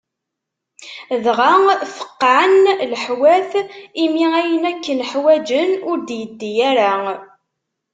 Dγa feqqeεen leḥwat imi ayen akken ḥwağen, ur d-yeddi ara.